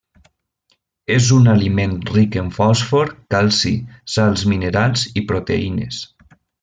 És un aliment ric en fòsfor, calci, sals minerals i proteïnes.